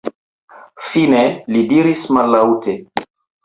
Fine li diris mallaŭte: